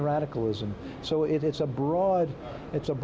hal hal pasar dan hal hal perniagaan